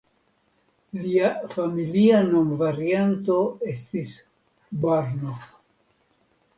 Lia familia nomvarianto estis "Barna".